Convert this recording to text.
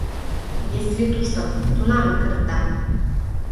Действий туштак, тунамак эрта.